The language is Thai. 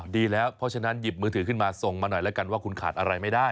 ดีแล้วเพราะฉะนั้นหยิบมือถือขึ้นมาส่งมาหน่อยแล้วกันว่าคุณขาดอะไรไม่ได้